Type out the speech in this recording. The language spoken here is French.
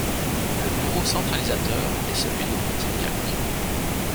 Le bureau centralisateur est celui de Montignac.